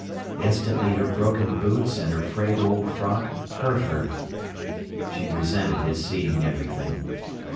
Instantly her broken boots and her frayed old frock hurt her. She resented his seeing everything.